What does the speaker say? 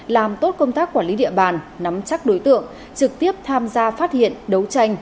làm tốt công tác quản lý địa bàn nắm chắc đối tượng trực tiếp tham gia phát hiện đấu tranh